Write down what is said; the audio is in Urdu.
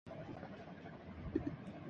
صنعتی ترقی سے بے روزگاری ختم ہوتی ہے